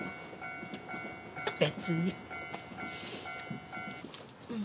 別に。